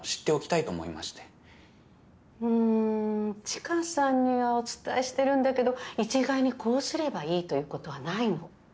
知花さんにはお伝えしてるんだけど一概にこうすればいいということはないの。